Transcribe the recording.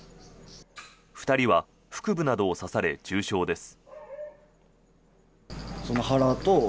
２人は腹部などを刺され重傷です。